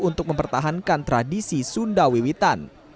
untuk mempertahankan tradisi sunda wiwitan